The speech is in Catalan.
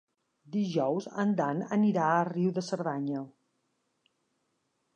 Dijous en Dan anirà a Riu de Cerdanya.